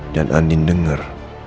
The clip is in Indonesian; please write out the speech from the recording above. dan andin dengar